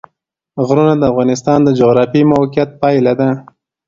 غرونه د افغانستان د جغرافیایي موقیعت پایله ده.